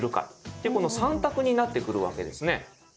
この３択になってくるわけですね。